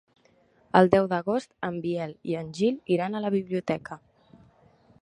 El deu d'agost en Biel i en Gil iran a la biblioteca.